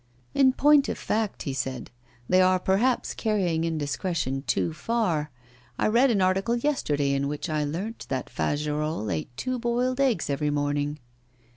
'In point of fact,' he said, 'they are perhaps carrying indiscretion too far. I read an article yesterday in which I learnt that Fagerolles ate two boiled eggs every morning.